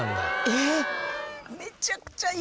えっ。